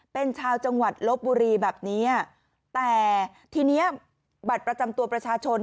เป็นชาวจังหวัดลบบุรีแบบนี้แต่ทีเนี้ยบัตรประจำตัวประชาชน